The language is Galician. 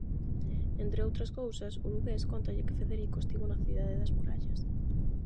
Entre outras cousas, o lugués cóntalle que Federico estivo na cidade das murallas: